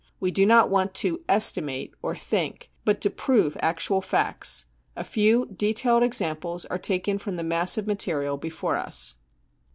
We do not want to " estimate 55 or " think," but to prove actual facts : a few detailed examples are taken from the mass of material before us.